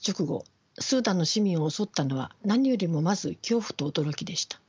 スーダンの市民を襲ったのは何よりもまず恐怖と驚きでした。